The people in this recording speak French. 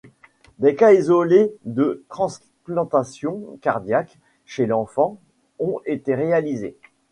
Des cas isolés de transplantations cardiaques chez l'enfant ont été réalisés.